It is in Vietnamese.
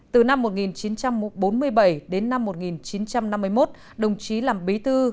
từ năm một nghìn chín trăm bốn mươi bảy đến năm một nghìn chín trăm năm mươi một đồng chí làm bí thư